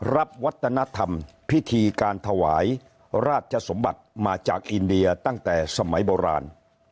รับวัฒนธรรมพิธีการถวายราชสมบัติมาจากอินเดียตั้งแต่สมัยโบราณ